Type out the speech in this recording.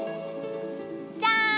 じゃん！